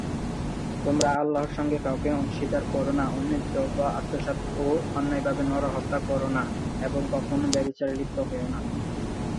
Rohanpur rail স্টেশনের ঠিক উত্তরে এক কিলোমিটার গেলেই বেশ কিছু উঁচু একটি ঢিবি নজরে পড়ে।